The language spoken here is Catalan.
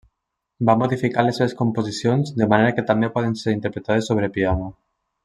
Va modificar les seves composicions de manera que també poden ser interpretades sobre piano.